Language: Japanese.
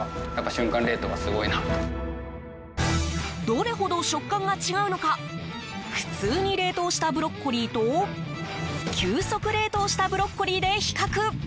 どれほど食感が違うのか普通に冷凍したブロッコリーと急速冷凍したブロッコリーで比較。